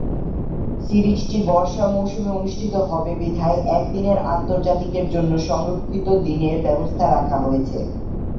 সিরিজটি বর্ষা মৌসুমে অনুষ্ঠিত হবে বিধায় একদিনের আন্তর্জাতিকের জন্য সংরক্ষিত দিনের ব্যবস্থা রাখা হয়েছে।